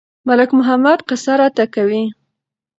ملک محمد قصه راته کوي.